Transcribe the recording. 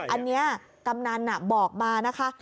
อันนี้กำนันบอกมานะคะ